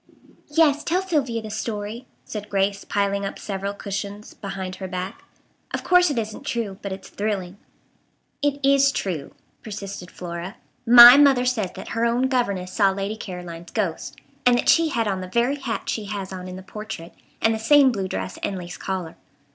"Yes, tell Sylvia the story," said Grace, piling up several cushions behind her back. "Of course it isn't true, but it's thrilling." "It is true," persisted Flora. "My mother says that her own governess saw Lady Caroline's ghost. And that she had on the very hat she has on in the portrait, and the same blue dress and lace collar.